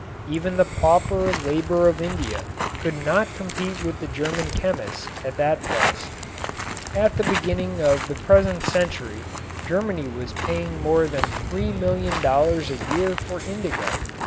Even the pauper labor of India could not compete with the German chemists at that price. At the beginning of the present century Germany was paying more than $3,000,000 a year for indigo.